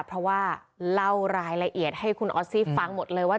เพราะว่าเล่ารายละเอียดให้คุณออสซี่ฟังหมดเลยว่า